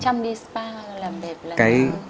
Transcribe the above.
chăm đi spa làm đẹp lần nào